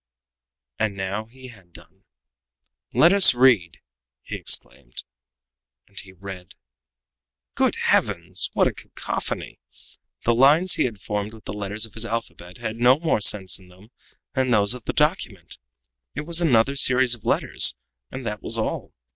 And now he had done. "Let us read!" he exclaimed. And he read. Good heavens! what cacophony! The lines he had formed with the letters of his alphabet had no more sense in them that those of the document! It was another series of letters, and that was all.